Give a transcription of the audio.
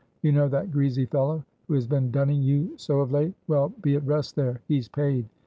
You know that greasy fellow who has been dunning you so of late. Well, be at rest there; he's paid.